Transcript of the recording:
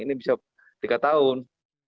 ini bisa tiga tahun